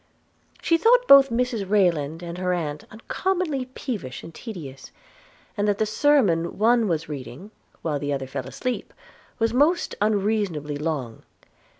She thought both Mrs Rayland and her aunt uncommonly peevish and tedious, and that the sermon one was reading, while the other fell asleep, was most unreasonably long.